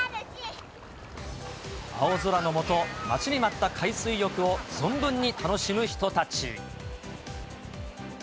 青空の下、待ちに待った海水浴を存分に楽しむ人たち。